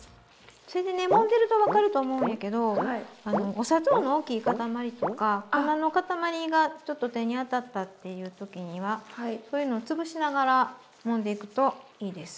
それでねもんでると分かると思うんやけどお砂糖の大きい塊とか粉の塊がちょっと手に当たったっていう時にはそういうの潰しながらもんでいくといいです。